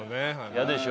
嫌でしょ？